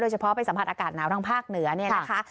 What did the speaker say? เฉพาะไปสัมผัสอากาศหนาวทางภาคเหนือเนี่ยนะคะ